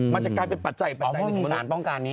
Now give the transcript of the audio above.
มันจะกลายเป็นปัจจัยอ๋อมันมีสารป้องกันนี้